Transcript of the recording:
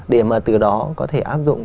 để mà từ đó có thể áp dụng